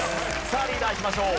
さあリーダーいきましょう。